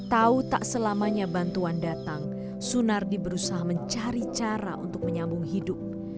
tahu tak selamanya bantuan datang sunardi berusaha mencari cara untuk menyambung hidup